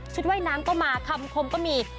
ว่ายน้ำก็มาคำคมก็มี